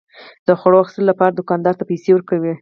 د خوړو اخیستلو لپاره دوکاندار ته پيسى ورکوي.